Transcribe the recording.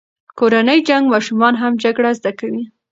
کورنی جنګ ماشومان هم جګړه زده کوي.